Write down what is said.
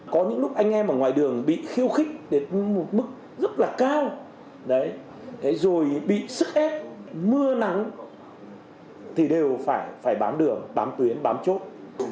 có những lúc anh em ở ngoài đường bị khiêu khích một mức rất là cao rồi bị sức ép mưa nắng thì đều phải bám đường bám tuyến bám chốt